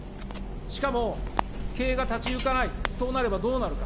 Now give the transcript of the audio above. しかも、経営が立ち行かない、そうなればどうなるか。